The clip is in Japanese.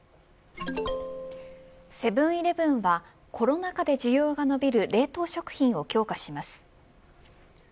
セブン‐イレブンはコロナ禍で需要が伸びる冷凍食品を強化します。